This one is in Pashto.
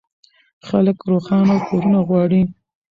خلک روښانه کورونه غواړي.